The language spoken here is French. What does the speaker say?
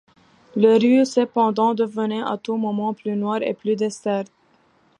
Les rues cependant devenaient à tout moment plus noires et plus désertes.